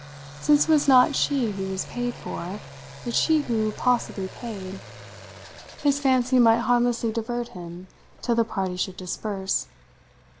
Since it was not she who was paid for, but she who possibly paid, his fancy might harmlessly divert him till the party should disperse.